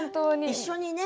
一緒にね。